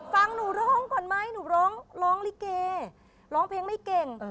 ฟังหนูร้องก่อนไหมหนูร้องร้องลิเกร้องเพลงไม่เก่ง